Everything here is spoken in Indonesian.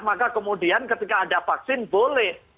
maka kemudian ketika ada vaksin boleh